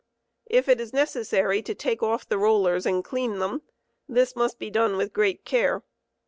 If it is necessary to take off the rollers and clean them, this must be done with great care.